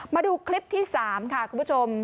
มาดูคลิปที่๓ค่ะคุณผู้ชม